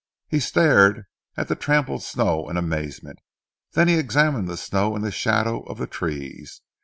He stared at the trampled snow in amazement, then he examined the snow in the shadow of the trees.